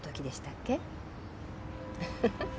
フフフ。